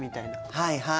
はいはい！